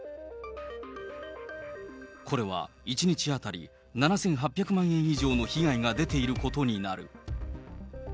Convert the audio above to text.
これは１日当たり７８００万円以上の被害が出ていることになる。